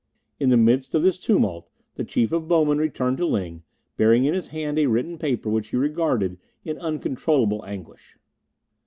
In the midst of this tumult the Chief of Bowmen returned to Ling, bearing in his hand a written paper which he regarded in uncontrollable anguish.